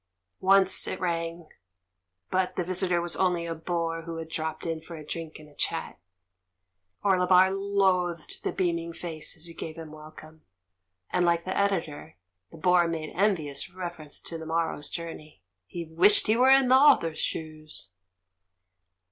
Once it rang, but the visitor was only a bore who had dropped in for a drink and a chat. Orlebar loathed the beaming face as he gave him welcome, and, like the Editor, the bore made envious reference to the morrow's j ourney ; he "wished he were in the author's shoes!"